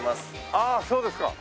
ああそうですか。